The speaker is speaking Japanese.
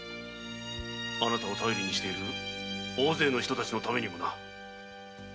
あなたを頼りにしている大勢の人たちのためにもな。